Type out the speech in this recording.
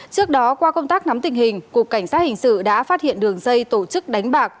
trước đó qua công tác nắm tình hình cục cảnh sát hình sự đã phát hiện đường dây tổ chức đánh bạc